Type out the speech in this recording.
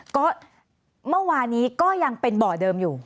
ก็เมื่อวานนี้ก็ยังเป็นบ่อเดิมอยู่